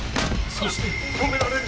そして止められる！